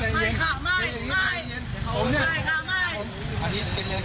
หนูต้องการพบภูมิว่าถ้าหนูวันนี้หนูหาวไม่ได้ลูกหนูติดคุก